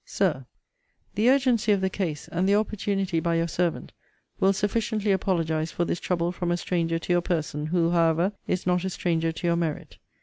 SIR, The urgency of the case, and the opportunity by your servant, will sufficiently apologize for this trouble from a stranger to your person, who, however, is not a stranger to your merit.